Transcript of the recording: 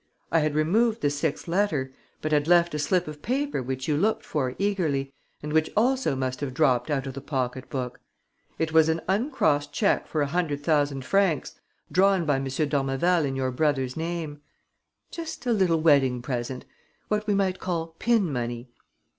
I had removed the sixth letter, but had left a slip of paper which you looked for eagerly and which also must have dropped out of the pocket book. It was an uncrossed cheque for a hundred thousand francs, drawn by M. d'Ormeval in your brother's name ... just a little wedding present ... what we might call pin money.